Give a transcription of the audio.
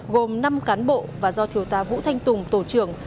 gồm năm cán bộ và do thiếu tá vũ thanh tùng tổ trưởng